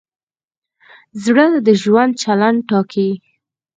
زړه د ژوند چلند ټاکي.